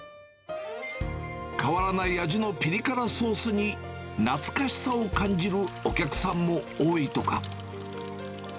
変わらない味のピリ辛ソースに、懐かしさを感じるお客さんも多いとか。